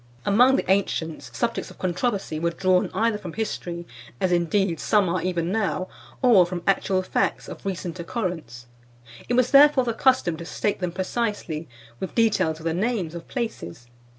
Among the ancients, subjects of controversy were drawn either from history, as indeed some are even now, or from (526) actual facts, of recent occurrence. It was, therefore, the custom to state them precisely, with details of the names of places.